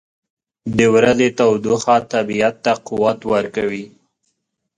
• د ورځې تودوخه طبیعت ته قوت ورکوي.